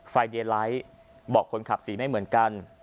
เดียไลท์บอกคนขับสีไม่เหมือนกัน